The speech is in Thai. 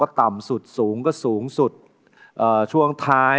โปรดติดตามต่อไป